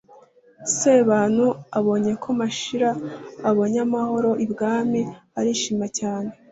sebantu abonye ko mashira abonye amahoro ibwami arishima cyane.